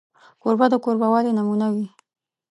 کوربه د کوربهوالي نمونه وي.